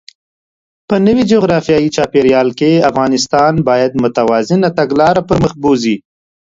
په نوي جغرافیايي چاپېریال کې، افغانستان باید متوازنه تګلاره پرمخ بوځي.